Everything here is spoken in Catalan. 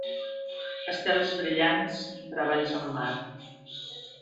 Estels brillants, treballs en mar.